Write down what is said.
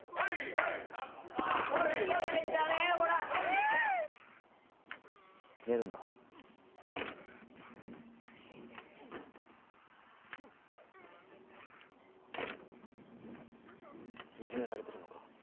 いじめられてるのか？